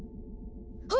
あ！